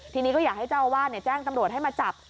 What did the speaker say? ทีนี้ก็อยากให้เจ้าอาวาสแจ้งตำรวจให้มาจับ